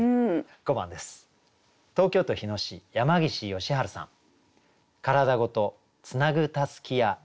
５番です。